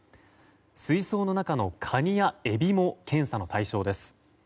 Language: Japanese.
水槽の中のカニやエビも検査の対象です。